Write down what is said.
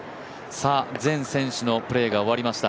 全選手のプレーが終わりました。